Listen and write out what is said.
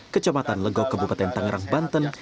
kecamatan legok kabupaten tangerang banten